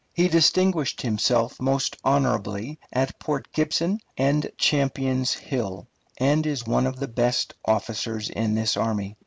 He distinguished himself most honorably at Port Gibson and Champion's Hill, and is one of the best officers in this army.